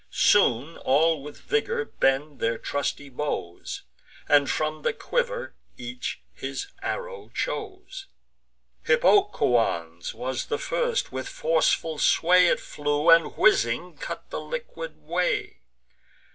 Soon all with vigour bend their trusty bows, And from the quiver each his arrow chose. Hippocoon's was the first: with forceful sway It flew, and, whizzing, cut the liquid way.